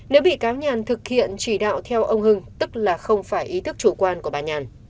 nếu bị cáo nhàn thực hiện chỉ đạo theo ông hưng tức là không phải ý thức chủ quan của bà nhàn